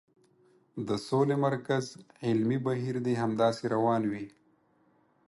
د سولې مرکز علمي بهیر دې همداسې روان وي.